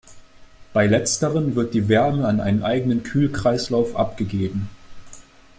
Bei Letzteren wird die Wärme an einen eigenen Kühlkreislauf abgegeben.